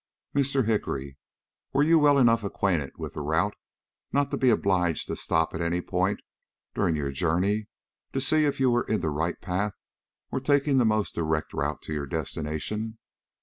"Mr. Hickory, were you well enough acquainted with the route not to be obliged to stop at any point during your journey to see if you were in the right path or taking the most direct road to your destination?"